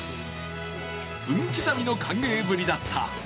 分刻みの歓迎ぶりだった。